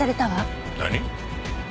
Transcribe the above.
何？